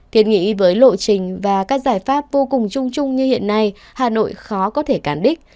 thiệt nghĩ với lộ trình và các giải pháp vô cùng chung chung như hiện nay hà nội khó có thể cản đích